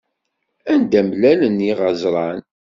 Anda mlalen yiɣeẓṛan.